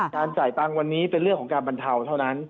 จ่ายตังค์วันนี้เป็นเรื่องของการบรรเทาเท่านั้น